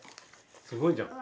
すごいじゃん。